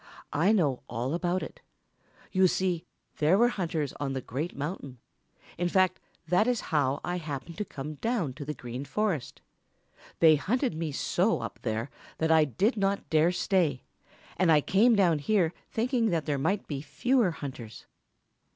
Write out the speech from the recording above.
"I know all about it. You see, there were hunters on the Great Mountain. In fact, that is how I happened to come down to the Green Forest. They hunted me so up there that I did not dare stay, and I came down here thinking that there might be fewer hunters.